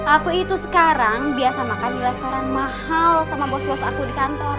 aku itu sekarang biasa makan di restoran mahal sama bos bos aku di kantor